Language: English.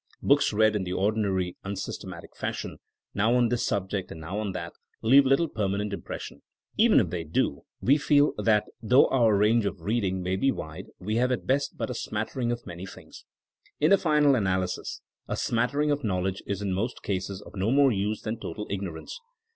Books read in the ordinary unsystematic fashion, now on this subject and now on that, leave little permanent impression. Even if they do, we feel that though our range of reading may be wide we have at best but a smattering of many things. In the final analysis a smattering of knowledge is in most cases of no more use than total ignor ance.